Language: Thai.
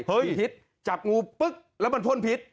พิษจับงูปึ๊กแล้วมันพ่นพิษ